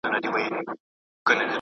که وخت وي، وخت نيسم!.